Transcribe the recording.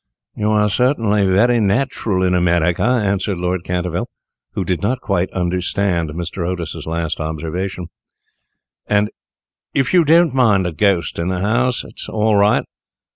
"You are certainly very natural in America," answered Lord Canterville, who did not quite understand Mr. Otis's last observation, "and if you don't mind a ghost in the house, it is all right.